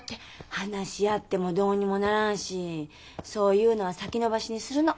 話し合ってもどうにもならんしそういうのは先延ばしにするの。